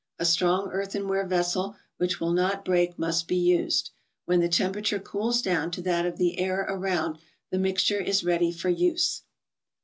A strong earthenware vessel which will not break must be used. When the temperature cools down to that of the air around, the mixture is ready for use.